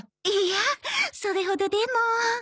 いやあそれほどでも。